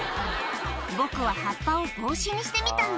「僕は葉っぱを帽子にしてみたんだ」